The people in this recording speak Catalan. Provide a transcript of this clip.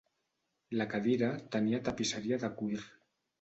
La cadira tenia tapisseria de cuir.